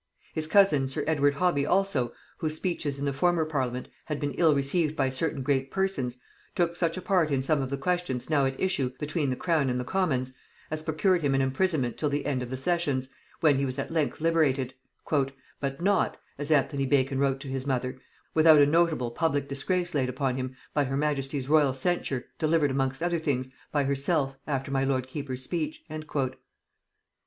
His cousin sir Edward Hobby also, whose speeches in the former parliament had been ill received by certain great persons, took such a part in some of the questions now at issue between the crown and the commons, as procured him an imprisonment till the end of the sessions, when he was at length liberated; "but not," as Anthony Bacon wrote to his mother, "without a notable public disgrace laid upon him by her majesty's royal censure delivered amongst other things, by herself, after my lord keeper's speech." [Note 114: Birch's Memoirs, vol. i. p. 96.